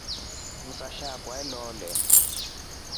Msasha akwa alole.